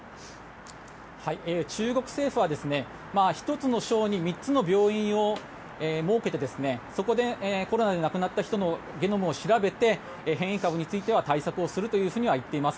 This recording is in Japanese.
中国政府は１つの省に３つの病院を設けてそこでコロナで亡くなった人のゲノムを調べて変異株については対策をするとは言っています。